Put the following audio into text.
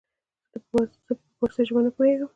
زه په پاړسي زبه نه پوهيږم